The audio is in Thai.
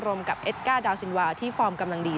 รวมกับเอสก้าดาวซินวาที่ฟอร์มกำลังดี